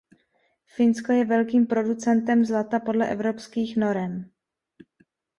Finsko je velkým producentem zlata podle evropských norem.